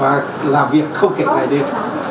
và làm việc không kể ngày đêm